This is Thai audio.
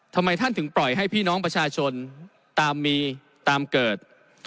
ทำไมท่านถึงปล่อยให้พี่น้องประชาชนตามมีตามเกิด